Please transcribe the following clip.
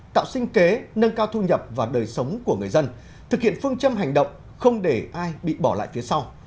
tạo sinh kế nâng cao thu nhập và đời sống của người dân thực hiện phương châm hành động không để ai bị bỏ lại phía sau